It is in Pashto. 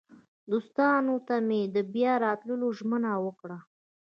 دوستانو ته مې د بیا راتلو ژمنه وکړه.